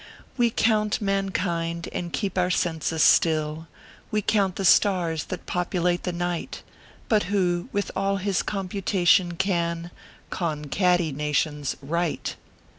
"We count mankind and keep our census still, "We count the stars that populate the night; But who, with all his computation, can Con catty nations right?